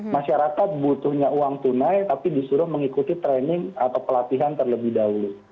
masyarakat butuhnya uang tunai tapi disuruh mengikuti training atau pelatihan terlebih dahulu